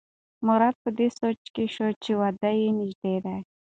مراد په دې سوچ کې شو چې واده یې نژدې دی.